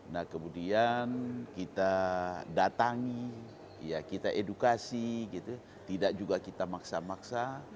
nah kemudian kita datangi ya kita edukasi tidak juga kita maksa maksa